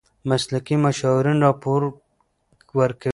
مسلکي مشاورین راپور ورکوي.